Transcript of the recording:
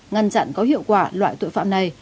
ngăn chặn có hiệu quả loại tội phạm này